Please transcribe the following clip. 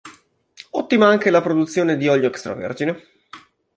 Ottima anche la produzione di olio extravergine.